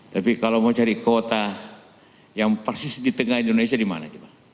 tapi kalau mau cari kota yang persis di tengah indonesia di mana